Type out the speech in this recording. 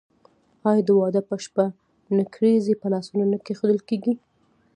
آیا د واده په شپه نکریزې په لاسونو نه کیښودل کیږي؟